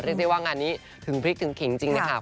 เรียกได้ว่างานนี้ถึงพริกถึงขิงจริงนะคะ